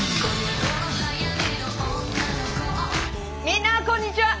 みんなこんにちは。